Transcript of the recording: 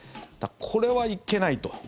これはいけないと。